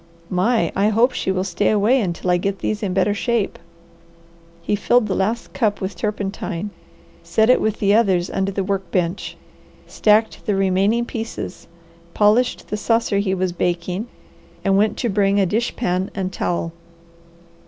My I hope she will stay away until I get these in better shape!" He filled the last cup with turpentine, set it with the other under the work bench, stacked the remaining pieces, polished the saucer he was baking, and went to bring a dish pan and towel.